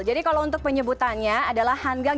jadi kalau untuk penyebutannya adalah hanggang